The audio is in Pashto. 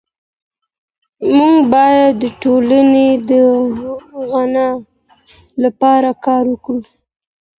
موږ بايد د ټولني د غنا لپاره کار وکړو.